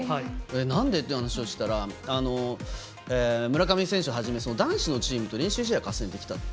なんでという話をしたら村上選手はじめ男子のチームと練習試合をよくできたと。